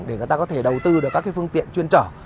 để đầu tư các phương tiện chuyên trở